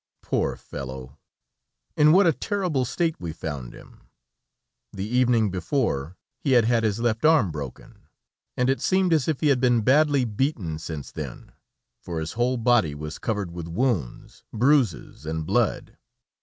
Poor fellow! In what a terrible state we found him. The evening before, he had had his left arm broken, and it seemed as if he had been badly beaten since then, for his whole body was covered with wounds, bruises, and blood.